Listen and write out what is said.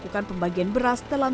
ada tembakan ditutup dah